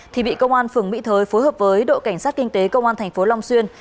thì bị công an phường mỹ thới phối hợp với đội cảnh sát kinh tế công an thành phố long xuyên